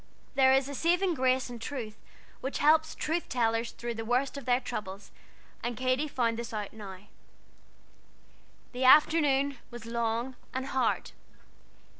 There is a saving grace in truth which helps truth tellers through the worst of their troubles, and Katy found this out now. The afternoon was long and hard.